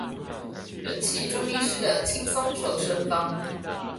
人氣中醫師的輕鬆瘦身方